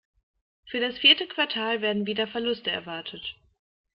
Für das vierte Quartal werden wieder Verluste erwartet.